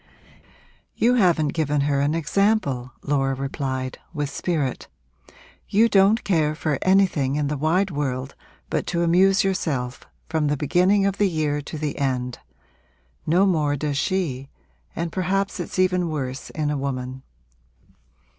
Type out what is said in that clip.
'You haven't given her an example!' Laura replied, with spirit. 'You don't care for anything in the wide world but to amuse yourself, from the beginning of the year to the end. No more does she and perhaps it's even worse in a woman.